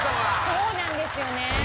そうなんですよね。